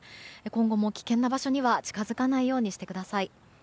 今後も危険な場所には近づかないようにしてください。